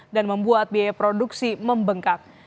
dan membuat biaya produksi membengkat